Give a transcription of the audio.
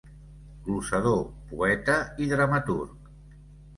Glosador, poeta i dramaturg.